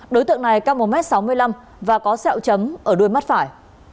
đối tượng này cao một m sáu mươi năm và có sẹo chấm ở đuôi mắt phải